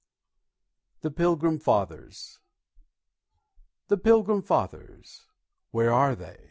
THE PILGRIM FATHERS The Pilgrim Fathers, where are they?